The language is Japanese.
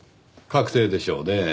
確定でしょうねぇ。